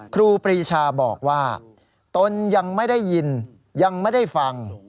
ครูปรีชาบอกว่าตนยังไม่ได้ยินยังไม่ได้ฟัง